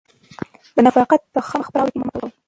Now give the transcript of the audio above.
د نفاق تخم په خپله خاوره کې مه کرئ.